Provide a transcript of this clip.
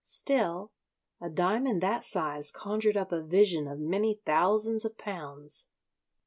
Still, a diamond that size conjured up a vision of many thousands of pounds.